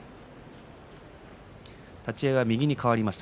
立ち合いは右に変わりました。